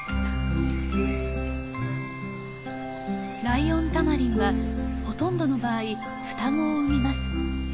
ライオンタマリンはほとんどの場合双子を産みます。